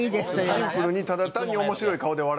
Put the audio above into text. シンプルにただ単に面白い顔で笑